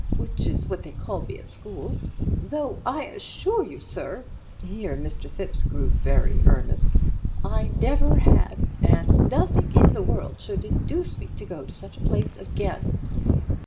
(which was what they called me at school), though I assure you, sir"—here Mr. Thipps grew very earnest—"I never had, and nothing in the world should induce me to go to such a place again.